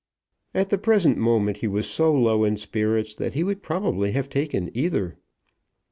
At the present moment he was so low in spirits that he would probably have taken either.